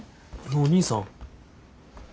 お義兄さん。